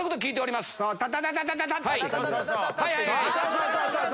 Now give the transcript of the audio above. そうそうそう！